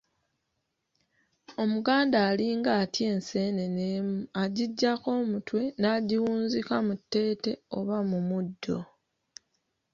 Omuganda alinga atya enseenene emu agiggyako omutwe n'agiwunzika mu tteete oba mu muddo.